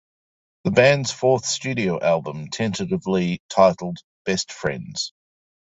The band's fourth studio album, tentatively titled Best Friends?